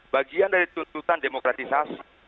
bagian dari tuntutan demokratisasi